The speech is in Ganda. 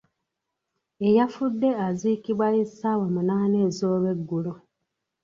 Eyafudde azikibwa essaawa munaana ez'olweggulo.